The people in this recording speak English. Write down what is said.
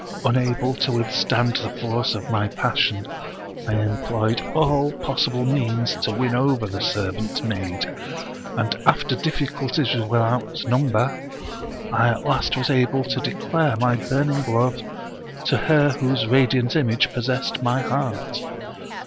Unable to withstand the force of my passion, I employed all possible means to win over the servant maid, and after difficulties without number I at last was able to declare my burning love to her whose radiant image possessed my heart.